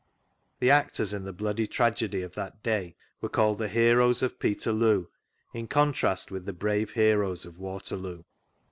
The actors in the bloody tragedy of that day were called " The Heroes of Peterloo," in contrast with the brave heroes (rf Waterloo.